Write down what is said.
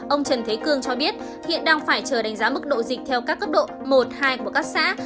ông trần thế cương cho biết hiện đang phải chờ đánh giá mức độ dịch theo các cấp độ một hai của các xã